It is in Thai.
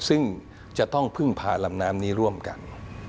ซึ่งจะต้องพึ่งพาลำน้ำนี้ร่วมกัน